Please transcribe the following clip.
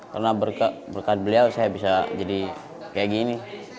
karena berkat beliau saya bisa jadi seperti ini